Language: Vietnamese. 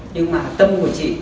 nhưng mà tâm của chị